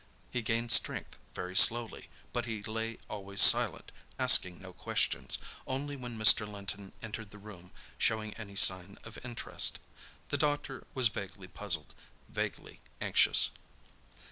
He gained strength very slowly, but he lay always silent, asking no questions, only when Mr. Linton entered the room showing any sign of interest. The doctor was vaguely puzzled, vaguely anxious.